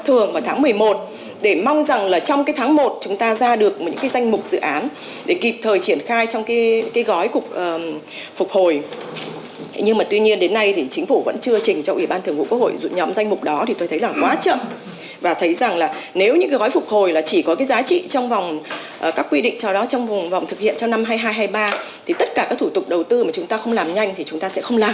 tất cả các thủ tục đầu tư mà chúng ta không làm nhanh thì chúng ta sẽ không làm được cái gì cả